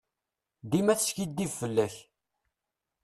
Dima teskidib fell-ak.